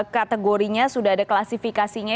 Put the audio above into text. kategorinya sudah ada klasifikasinya